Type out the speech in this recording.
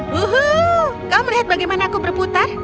wuhuu kau melihat bagaimana aku berputar